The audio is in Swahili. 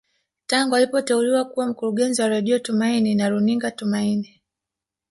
Tangu alipoteuliwa kuwa mkurungezi wa Radio Tumaini na runinga Tumaini